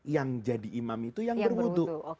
yang jadi imam itu yang berwudhu